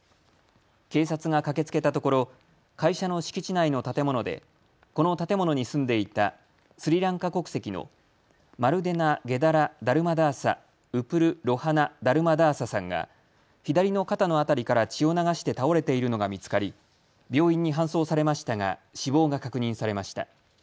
警察が駆けつけたところ、会社の敷地内の建物でこの建物に住んでいたスリランカ国籍のマルデナゲダラダルマダーサ・ウプルロハナダルマダーサさんが左の肩の辺りから血を流して倒れているのが見つかり、病院に搬送されましたが死亡が確認されました。